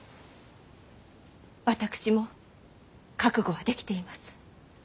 私も覚悟はできています。